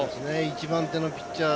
一番手のピッチャー